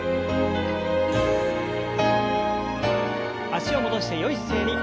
脚を戻してよい姿勢に。